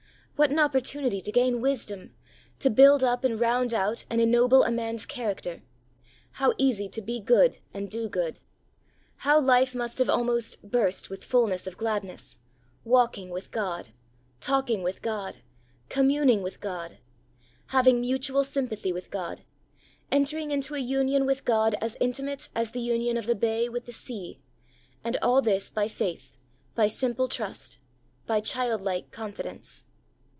What an opportunity to gain wisdom, to build up and round out and ennoble a man's character ! How easy to be good and do good ! How life must have almost burst with fulness of gladness ! Walking with God ! Talking with God ! Communing with God ! Having mutual sympathy with God — entering into a union with God as intimate as the union of the bay with the sea; and all this by faith, by simple trust, by childlike confidence.